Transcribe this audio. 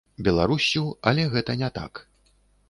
Беларуссю, але гэта не так.